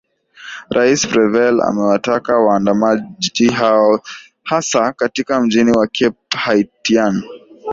rais prevel amewataka waandamanaji hao hasa katika mji wa cape haitian